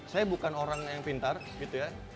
saya bukan orang yang pintar gitu ya